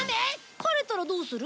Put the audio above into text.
晴れたらどうする？